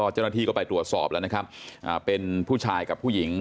เจ้าหน้าที่ก็ไปตรวจสอบเป็นผู้ชายกับผู้หญิง